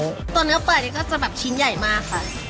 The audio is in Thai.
ตัวเนื้อปลานี่ก็จะแบบชิ้นใหญ่มากค่ะ